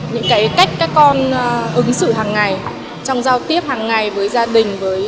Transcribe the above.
những cách các con ứng xử hằng ngày trong giao tiếp hằng ngày với gia đình